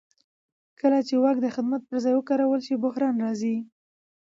کله چې واک د خدمت پر ځای وکارول شي بحران راځي